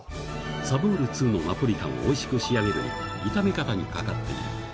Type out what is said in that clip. さぼうる２のナポリタンをおいしく仕上げるには炒め方にかかっている